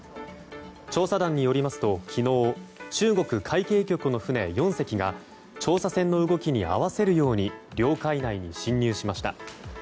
調査団によりますと昨日、中国海警局の船４隻が調査船の動きに合わせるように領海内に侵入しました。